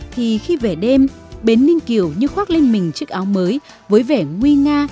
thì khi về đêm bến ninh kiều như khoác lên mình chiếc áo mới với vẻ nguy nga